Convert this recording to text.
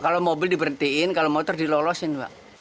kalau mobil diberhentiin kalau motor dilolosin pak